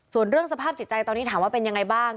ส่วนเรื่องสภาพจิตใจตอนนี้ถามว่าเป็นยังไงบ้าง